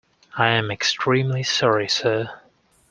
I am extremely sorry, sir.